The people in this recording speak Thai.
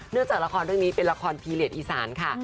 จากละครเรื่องนี้เป็นละครพีเรียสอีสานค่ะ